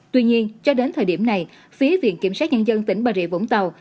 tuy nhiên cho đến thời điểm này phía viện kiểm sát nhân dân tỉnh bà rịa vũng tàu